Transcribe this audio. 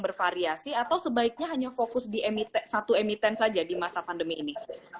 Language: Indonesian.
bervariasi atau sebaiknya hanya fokus di satu emiten saja di masa pandemi ini